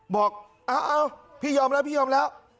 บอกเอาพี่ยอมแล้วพี่ยอมแล้ว